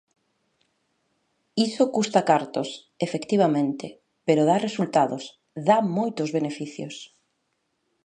Iso custa cartos, efectivamente, pero dá resultados, dá moitos beneficios.